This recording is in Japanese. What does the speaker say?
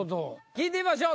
聞いてみましょう。